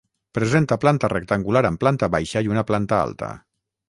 Presenta planta rectangular amb planta baixa i una planta alta.